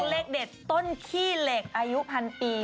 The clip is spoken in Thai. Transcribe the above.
เลขเด็ดต้นขี้เหล็กอายุพันปี